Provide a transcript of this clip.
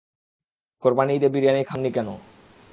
কোরবানি ঈদে বিরিয়ানি খাওয়াননি কেন?